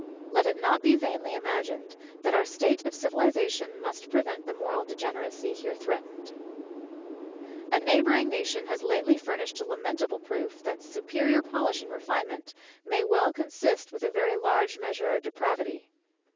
Let it not be vainly imagined, that our state of civilization must prevent the moral degeneracy here threatened. A neighbouring nation has lately furnished a lamentable proof, that superior polish and refinement may well consist with a very large measure of depravity.